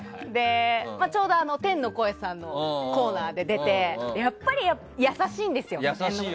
ちょうど、天の声さんのコーナーで出てやっぱり、優しいんですよ。